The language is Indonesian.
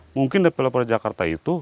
mungkin developer jakarta itu